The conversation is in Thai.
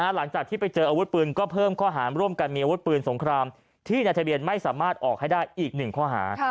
หลังจากที่ไปเจออาวุธปืนก็เพิ่มข้อหารร่วมกันมีอาวุธปืนสงครามที่ในทะเบียนไม่สามารถออกให้ได้อีกหนึ่งข้อหา